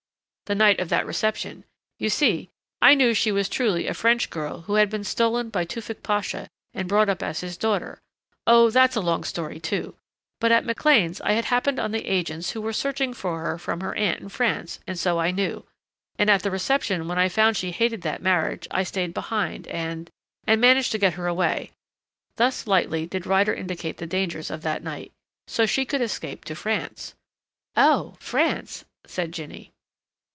"The night of that reception. You see, I knew she was truly a French girl who had been stolen by Tewfick Pasha and brought up as his daughter Oh, that's a long story, too! But at McLean's I had happened on the agents who were searching for her from her aunt in France, and so I knew.... And at the reception when I found she hated that marriage I stayed behind and and managed to get her away," thus lightly did Ryder indicate the dangers of that night! "so she could escape to France." "Oh France!" said Jinny.